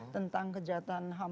tentang kejahatan ham